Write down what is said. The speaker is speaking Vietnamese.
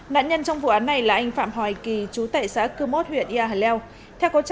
nạn nhân trong vụ án này là anh phạm hoài kỳ chú tệ xã cư mốt huyện yà leo